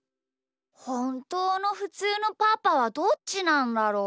ほんとうのふつうのパパはどっちなんだろう？